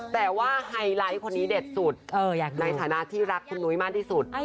แต่ว่าไฮไลท์คนนี้เด็ดสุดในฐานะที่รักคุณนุ้ยมากที่สุด